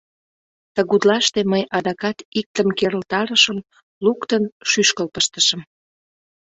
Тыгутлаште мый адакат иктым керылтарышым, луктын, шӱшкыл пыштышым.